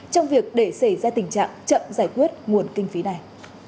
trong việc để xảy ra tình trạng chậm giải quyết nguồn kinh phí này